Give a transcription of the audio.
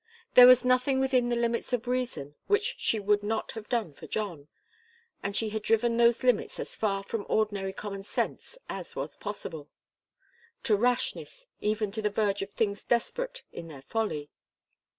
There was nothing within the limits of reason which she would not have done for John, and she had driven those limits as far from ordinary common sense as was possible, to rashness, even to the verge of things desperate in their folly.